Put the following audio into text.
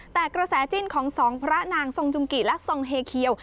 แต่กระแสจิ้นของสองพระนางทรงจุงกิและทรงเฮเคียว